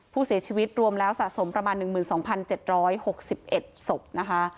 ผู้เสียชีวิตรวมแล้วสะสมประมาณ๑๒๗๖๑ศพนะคะ